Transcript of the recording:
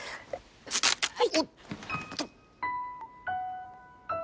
はい。